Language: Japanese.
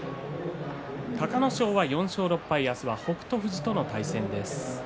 隆の勝は４勝６敗明日は北勝富士との対戦です。